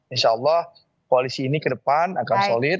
insya allah koalisi ini ke depan akan solid